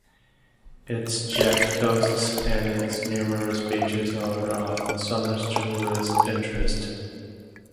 Its jagged coasts and its numerous beaches are of summer tourist interest.